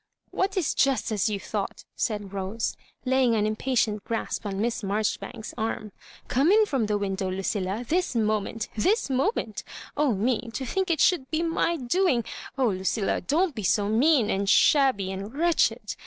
"What is just as you thought?" said Rose, laying an impatient grasp on Miss Marjoribanks's arm. " Come in from the window, Lucilla, this moment — this moment! Oh, me, to think it should be my doing! Oh, Lucilla, don^t be so mean and shabby and wretched.